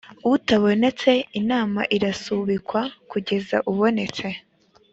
utabonetse inama irasubikwa kugeza ubonetse